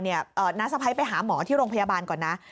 น้าสะพ้ายไปหาหมอที่โรงพยาบาลก่อนนะ